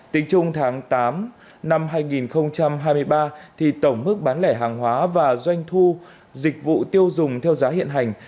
tính chung tháng tám năm hai nghìn hai mươi ba tổng mức bán lẻ hàng hóa và doanh thu dịch vụ tiêu dùng theo giá hiện hành